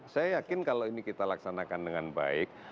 saya yakin kalau ini kita laksanakan dengan baik